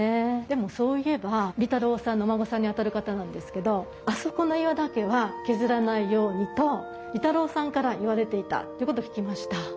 でもそういえば利太郎さんのお孫さんにあたる方なんですけど「あそこの岩だけは削らないように」と利太郎さんから言われていたってこと聞きました。